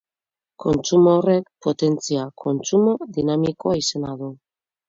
Kontsumo horrek potentzia-kontsumo dinamikoa izena du.